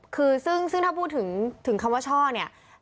คือซึ่งถ้าพูดถึงคำว่าช่อเนี่ย